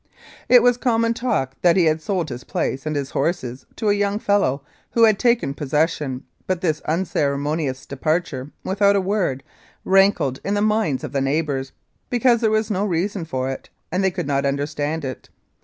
It was common talk that he had sold his place and his horses to a young fellow who had taken posses sion, but this unceremonious departure, without a word, rankled in the minds of the neighbours, because there was no reason for it, and they could not understand it.